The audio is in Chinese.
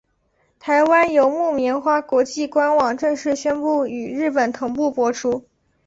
台湾由木棉花国际官网正式宣布与日本同步播出。